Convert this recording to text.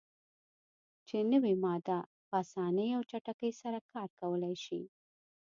چې نوی ماده "په اسانۍ او چټکۍ سره کار کولای شي.